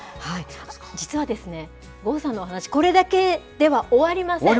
実はですね、郷さんのお話、これだけでは終わりません。